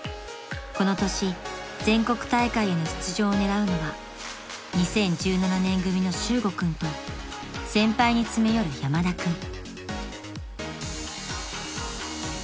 ［この年全国大会への出場を狙うのは２０１７年組の修悟君と先輩に詰め寄る山田君］